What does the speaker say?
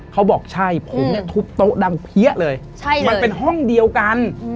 เขาบอกใช่ผมเนี่ยทุบโต๊ะดังเพี้ยเลยมันเป็นห้องเดียวกัน